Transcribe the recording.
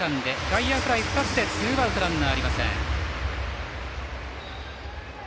外野フライ２つでツーアウトランナーはありません。